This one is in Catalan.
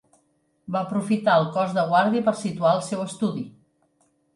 Va aprofitar el cos de guàrdia per situar el seu estudi.